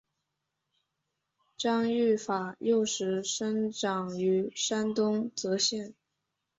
张玉法幼时生长于山东峄县。